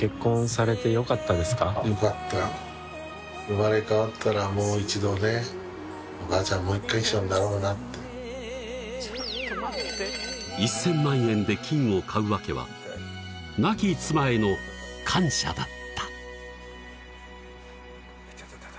生まれ変わったらもう一度ねお母ちゃんもう一回一緒になろうなって１０００万円で金を買うワケは亡き妻への感謝だったいたたたたた